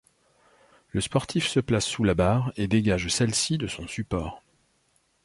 Le sportif se place sous la barre et dégage celle-ci de son support.